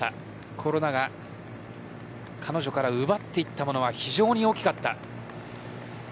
コロナが彼女から奪っていったものは非常に大きかった。